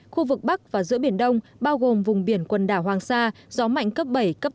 khu vực bắc và giữa biển đông bao gồm vùng biển quần đảo hoàng sa gió mạnh cấp bảy cấp năm